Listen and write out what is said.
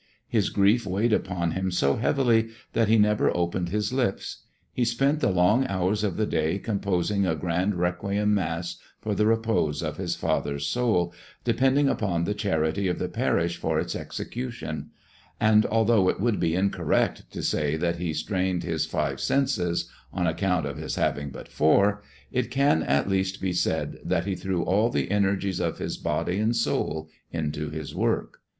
His grief weighed upon him so heavily that he never opened his lips. He spent the long hours of the day composing a grand requiem Mass for the repose of his father's soul, depending upon the charity of the parish for its execution; and although it would be incorrect to say that he strained his five senses, on account of his having but four, it can at least be said that he threw all the energies of his body and soul into his work.